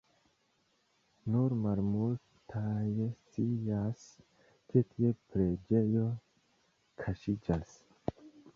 Nur malmultaj scias, ke tie preĝejo kaŝiĝas.